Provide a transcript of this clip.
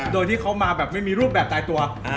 โดยที่เขามาแบบไม่มีรูปแบบตายตัว